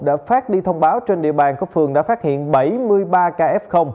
đã phát đi thông báo trên địa bàn có phường đã phát hiện bảy mươi ba ca f